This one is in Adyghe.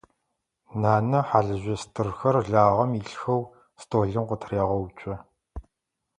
Нанэ хьалыжъо стырхэр лагъэм илъхэу столым къытырегъэуцо.